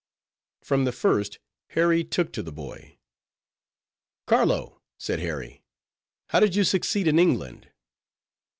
From the first, Harry took to the boy. "Carlo," said Harry, "how did you succeed in England?"